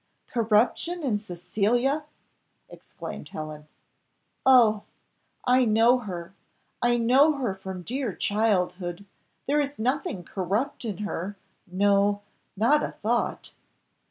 "Corruption in Cecilia!" exclaimed Helen. "Oh! I know her I know her from dear childhood! there is nothing corrupt in her, no, not a thought!"